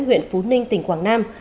nguyện phú ninh tỉnh quảng nam